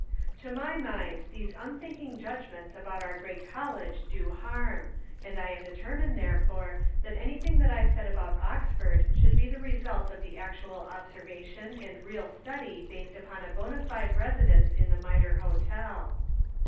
To my mind these unthinking judgments about our great college do harm, and I determined, therefore, that anything that I said about Oxford should be the result of the actual observation and real study based upon a bona fide residence in the Mitre Hotel.